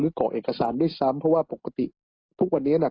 หรือกรอกเอกสารด้วยซ้ำเพราะพกติทุกวันนี้นะคะ